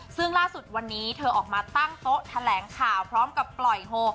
ซึ่งล่าสุดวันนี้เธอออกมาตั้งโต๊ะแถลงข่าวพร้อมกับปล่อยโฮ